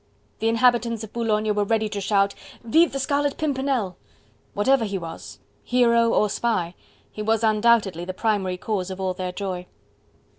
The inhabitants of Boulogne were ready to shout: "Vive the Scarlet Pimpernel!" Whatever he was hero or spy he was undoubtedly the primary cause of all their joy.